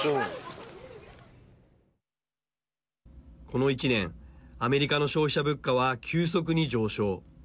この１年アメリカの消費者物価は急速に上昇。